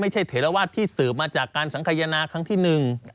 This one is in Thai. ไม่ใช่เถระวาดที่เสิร์ฟมาจากการสังขยนาคลั้งที่หนึ่ง